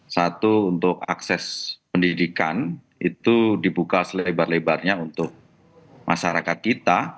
satu untuk akses pendidikan itu dibuka selebar lebarnya untuk masyarakat kita